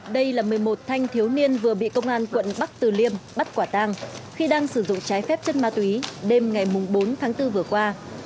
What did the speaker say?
đây là một mươi một thanh thiếu niên vừa bị công an quận bắc từ liêm bắt quả tang khi đang sử dụng trái phép chất ma túy đêm ngày bốn tháng bốn vừa qua